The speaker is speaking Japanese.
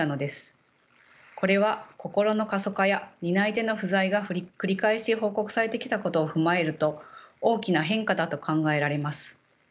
これは心の過疎化や担い手の不在が繰り返し報告されてきたことを踏まえると大きな変化だと考えられます。